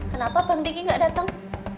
kenapa bandiki gak dateng